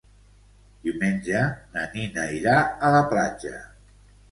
Diumenge na Nina irà a la platja.